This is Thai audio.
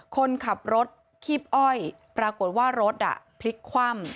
คนขับรถคีบอ้อยปรากฏว่ารถพลิกคว่ำ